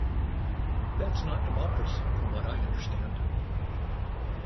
That's not democracy from what I understand.